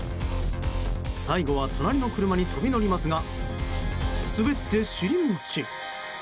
最後は隣の車に飛び乗りますが滑って尻餅。